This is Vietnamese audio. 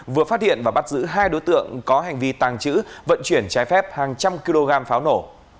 vừa phát hiện và bắt giữ hai đối tượng có hành vi tàng trữ vận chuyển trái phép hàng trăm kg pháo nổ